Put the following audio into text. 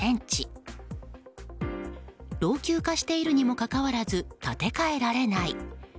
老朽化しているにもかかわらず建て替えられない。